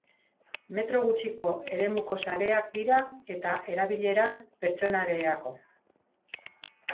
Metro gutxiko eremuko sareak dira eta erabilera pertsonalerako.